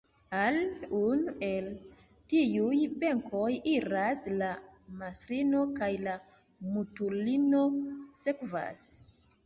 Al unu el tiuj benkoj iras la mastrino kaj la mutulino sekvas.